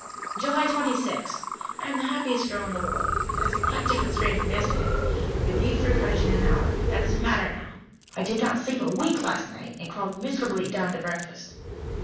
July Twenty sixth. I am the happiest girl in the world! That is quite a different strain from yesterday. We leave Fir Cottage in an hour, but that doesn't matter now. I did not sleep a wink last night and crawled miserably down to breakfast.